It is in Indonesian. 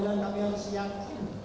bawa kami yang berat